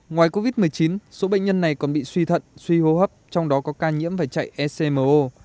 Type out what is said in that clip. ngoài covid một mươi chín số bệnh nhân này còn bị suy thận suy hô hấp trong đó có ca nhiễm và chạy ecmo